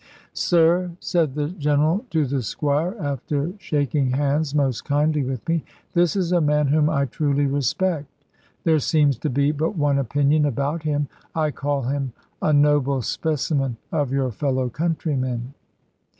"Sir," said the General to the Squire, after shaking hands most kindly with me, "this is a man whom I truly respect. There seems to be but one opinion about him. I call him a noble specimen of your fellow countrymen."